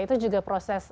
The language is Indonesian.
itu juga proses